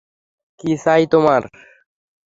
কী চাই তোমার?